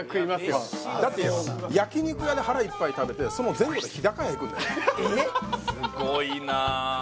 よだって焼き肉屋で腹いっぱい食べてその前後で日高屋行くんだよええ！？